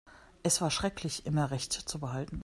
Es war schrecklich, immer Recht zu behalten.